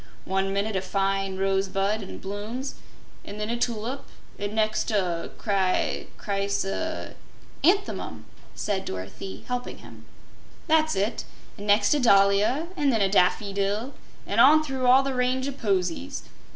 One minute a fine rose buds an' blooms, an' then a tulip, an' next a chrys chrys "" anthemum," said Dorothy, helping him. "That's it; and next a dahlia, an' then a daffydil, an' on all through the range o' posies.